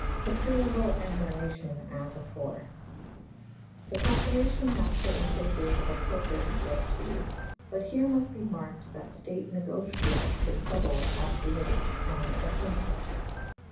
The preamble and narracion as afore. The confirmacion hath certayn places appropred thereto / but here mufte be marked that ftate negocyall is double / abfblute / and affumptyue.